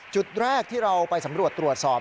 จุดแรกที่เราไปสำรวจตรวจสอบ